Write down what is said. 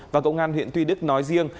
và công an huyện tuy đức nói riêng